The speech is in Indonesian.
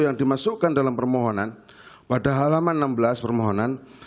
yang dimasukkan dalam permohonan pada halaman enam belas permohonan